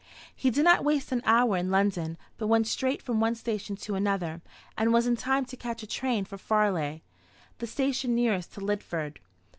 He did not waste an hour in London, but went straight from one station to another, and was in time to catch a train for Fairleigh, the station nearest to Lidford.